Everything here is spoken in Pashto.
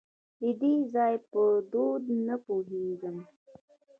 د دې ځای په دود نه پوهېږم .